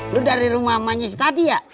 lo dari rumah maknya si tati ya